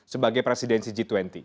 sebagai presidensi g dua puluh